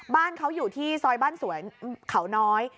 บ้านเขาอยู่ที่ซอยบ้านสวนเขาน้อย